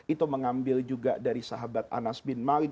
itu mengambil juga dari sahabat anas bin maulid